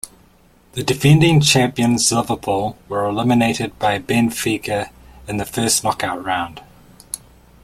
The defending champions Liverpool were eliminated by Benfica in the first knockout round.